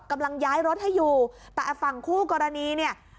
กำลังย้ายรถให้อยู่แต่ฝั่งคู่กรณีเนี่ย